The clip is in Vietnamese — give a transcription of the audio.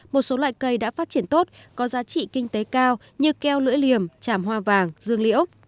một số loại cây đã phát triển tốt có giá trị kinh tế cao như keo lưỡi liềm chảm hoa vàng dương liễu